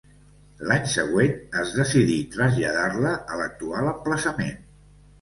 L'any següent es decidí traslladar-la a l'actual emplaçament.